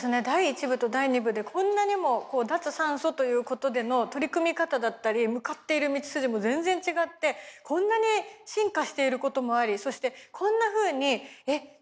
第一部と第二部でこんなにも脱炭素ということでの取り組み方だったり向かっている道筋も全然違ってこんなに進化していることもありそしてこんなふうにえっ